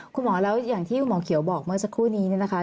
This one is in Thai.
คุณหมอแล้วอย่างที่คุณหมอเขียวบอกเมื่อสักครู่นี้เนี่ยนะคะ